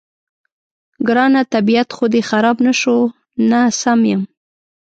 ګرانه، طبیعت خو دې خراب نه شو؟ نه، سم یم.